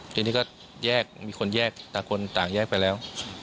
ทีนี้ก็แยกมีคนแยกต่างคนต่างแยกไปแล้ว